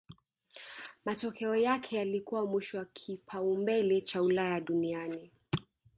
Matokeo yake yalikuwa mwisho wa kipaumbele cha Ulaya duniani